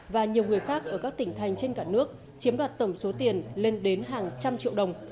và nhiều người khác ở các tỉnh thành trên cả nước chiếm đoạt tổng số tiền lên đến hàng trăm triệu đồng